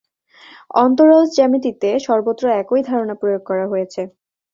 অন্তরজ জ্যামিতিতে সর্বত্র একই ধারণা প্রয়োগ করা হয়েছে।